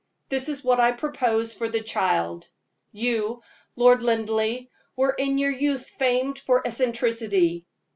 This is what I propose for the child: You, my Lord Linleigh, were in your youth famed for eccentricity.